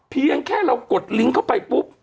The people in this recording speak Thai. เพียงแค่เรากดลิงก์เข้าไปปุ๊บ